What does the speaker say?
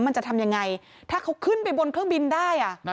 มันจะทำยังไงถ้าเขาขึ้นไปบนเครื่องบินได้